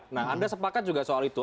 nah anda sepakat juga soal itu